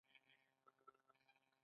هغوی هر کار په اشتراکي شکل ترسره کاوه.